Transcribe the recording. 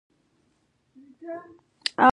د درواز لاره سخته ده